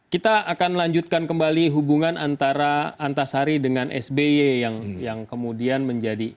kita akan lanjutkan kembali hubungan antara antasari dengan sby yang kemudian menjadi